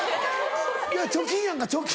貯金やんか貯金。